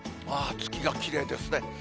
月がきれいですね。